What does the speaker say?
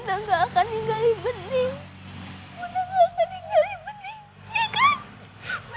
orang yang tadi siang dimakamin